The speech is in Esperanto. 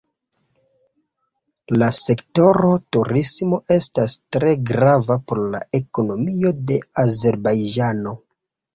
La sektoro turismo estas tre grava por la ekonomio de Azerbajĝano.